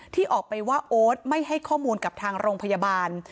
ที่ออกไปว่าโอ๊ตไม่ให้ข้อมูลกับทางโรงพยาบาล